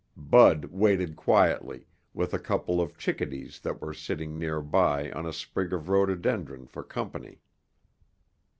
Bud waited quietly, with a couple of chickadees that were sitting nearby on a sprig of rhododendron for company.